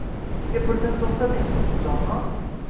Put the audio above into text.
Nega birdan to’xtading, jonon?